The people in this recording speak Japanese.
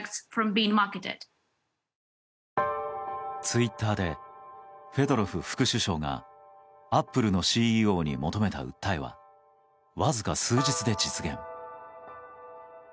ツイッターでフェドロフ副首相がアップルのＣＥＯに求めた訴えはわずか数日で実現。